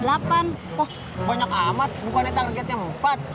oh banyak amat bukannya targetnya empat